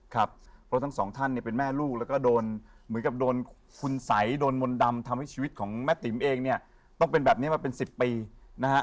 ครับเพราะทั้งสองท่านเนี่ยเป็นแม่ลูกแล้วก็โดนเหมือนกับโดนคุณสัยโดนมนต์ดำทำให้ชีวิตของแม่ติ๋มเองเนี่ยต้องเป็นแบบนี้มาเป็น๑๐ปีนะฮะ